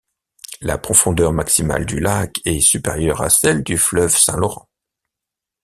La profondeur maximale du lac est supérieure à celle du fleuve Saint-Laurent.